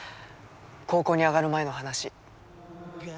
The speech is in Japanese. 高校に上がる前の話。